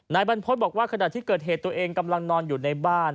บรรพฤษบอกว่าขณะที่เกิดเหตุตัวเองกำลังนอนอยู่ในบ้าน